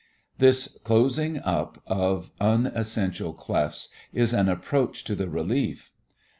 This closing up of unessential clefts is an approach to the relief.